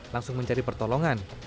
langsung mencari pertolongan